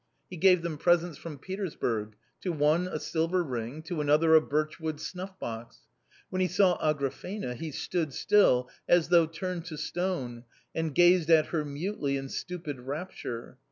He gave them presents from A COMMON STORY 243 Petersburg ; to one a silver ring, to another a birchwood snuffbox. When he saw Agrafena he stood still as though turned to stone, and gazed at her mutely in stupid rapture.